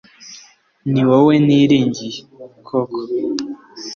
ni wowe niringiye (koko)